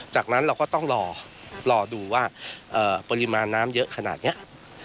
จากนั้นเราก็ต้องรอดูว่าปริมาณน้ำเยอะขนาดนี้